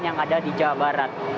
yang ada di jawa barat